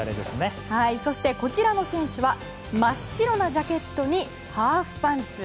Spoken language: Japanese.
そしてこちらの選手は真っ白なジャケットにハーフパンツ。